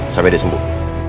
sampai dia sembuh